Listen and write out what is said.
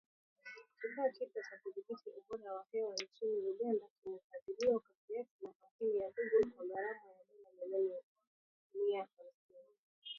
Kifaa kipya cha kudhibiti ubora wa hewa nchini Uganda kimefadhiliwa kwa kiasi na kampuni ya Google, kwa gharama ya dola milioni mia hamsini.